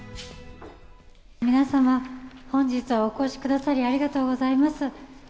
皆様、本日はお越しくださりありがとうございます。